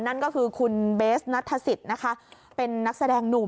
นั่นก็คือคุณเบสนัทธศิษย์นะคะเป็นนักแสดงหนุ่ม